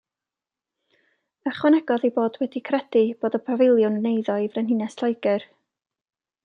Ychwanegodd ei bod wedi credu bod y pafiliwn yn eiddo i Frenhines Lloegr.